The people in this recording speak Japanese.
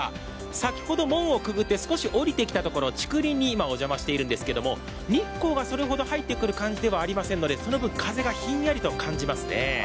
先ほど門をくぐって少し下りてきたところ、竹林に今、お邪魔しているんですけれども、日光がそれほど入ってくる感じではありませんのでその分、風がひんやりと感じますね。